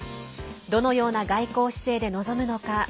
どのような外交姿勢で臨むのか。